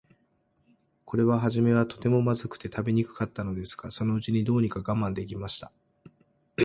これははじめは、とても、まずくて食べにくかったのですが、そのうちに、どうにか我慢できました。